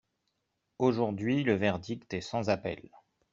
Aujourd’hui, le verdict est sans appel.